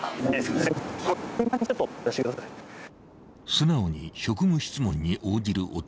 ［素直に職務質問に応じる男］